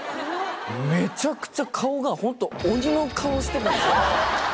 めちゃくちゃ顔がホント鬼の顔してたんですよ。